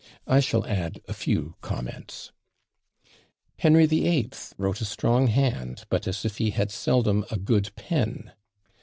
I shall add a few comments. "Henry the Eighth wrote a strong hand, but as if he had seldom a good pen."